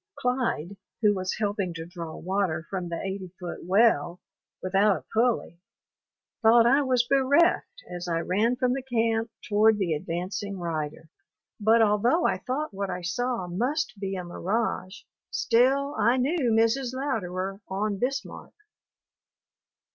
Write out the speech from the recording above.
Clyde, who was helping to draw water from the eighty foot well without a pulley, thought I was bereft as I ran from the camp toward the advancing rider. But although I thought what I saw must be a mirage, still I knew Mrs. Louderer on Bismarck.